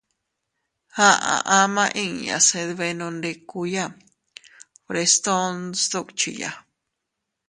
Aʼa ama inña se dbenondikuya Frestón sdukchiya.